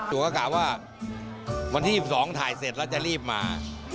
ตัวก็กล่าวว่าวันที่๒๒ถ่ายเสร็จแล้วจะรีบมา